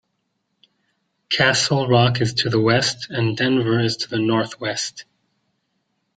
Castle Rock is to the west, and Denver is to the northwest.